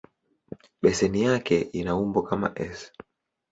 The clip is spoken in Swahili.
Beseni yake ina umbo kama "S".